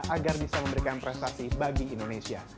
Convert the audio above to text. agar bisa memberikan prestasi bagi indonesia